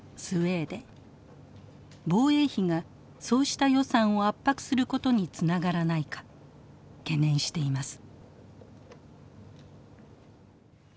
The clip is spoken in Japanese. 防衛費がそうした予算を圧迫することにつながらないか懸念しています。